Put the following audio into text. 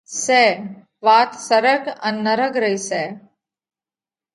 سئہ! وات سرڳ ان نرڳ رئِي سئہ!